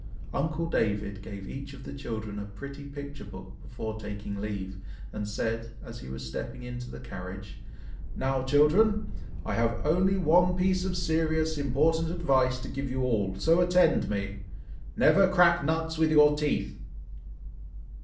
Uncle David gave each of the children a pretty picture book before taking leave, and said, as he was stepping into the carriage, "Now, children! I have only one piece of serious, important advice to give you all, so attend to me! never crack nuts with your teeth!"